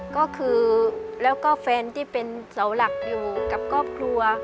ก็คือแล้วก็แฟนที่เป็นเสาหลักอยู่กับครอบครัว